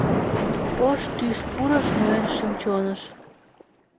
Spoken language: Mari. Ош тӱс пурыш мыйын шӱм-чоныш.